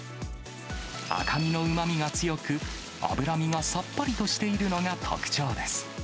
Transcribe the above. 赤身のうまみが強く、脂身がさっぱりとしているのが特徴です。